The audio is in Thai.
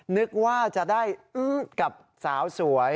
นึกว่าจะได้อึ๊ดกับสาวสวย